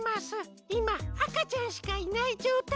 いまあかちゃんしかいないじょうたいで。